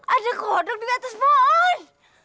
ada kodok di atas boy